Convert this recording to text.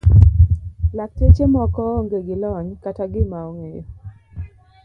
Lakteche moko onge gi lony kata gima ong'eyo.